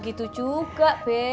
gitu juga be